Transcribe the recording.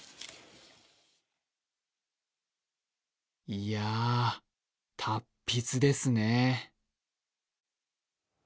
いや、達筆ですね。